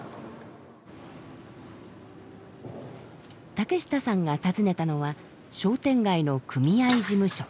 竹下さんが訪ねたのは商店街の組合事務所。